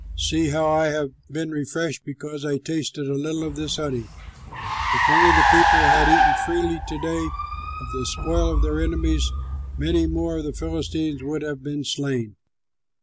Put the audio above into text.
See how I have been refreshed because I tasted a little of this honey. If only the people had eaten freely to day of the spoil of their enemies, many more of the Philistines would have been slain."